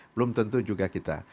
belum tentu juga kita